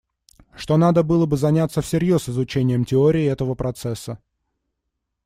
Что надо было бы заняться всерьез изучением теории этого процесса.